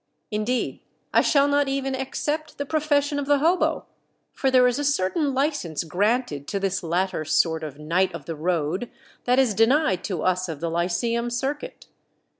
Indeed, I shall not even except the profession of the Hobo; for there is a certain license granted to this latter sort of Knight of the Road that is denied to us of the Lyceum Circuit.